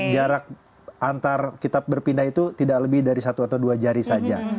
jarak antar kita berpindah itu tidak lebih dari satu atau dua jari saja